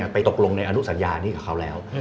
ไปตกลงในอนุสัญญานี้กับเขาแล้ว